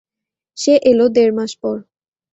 সে এল দেড় মাস পর।